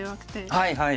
はいはい。